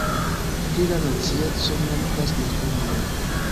Pri la nacieco mankas informoj.